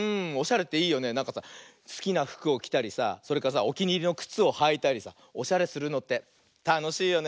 なんかさすきなふくをきたりさそれからさおきにいりのくつをはいたりさおしゃれするのってたのしいよね。